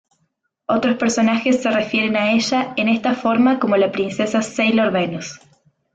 Otros personajes se refieren a ella en esta forma como la Princesa Sailor Venus.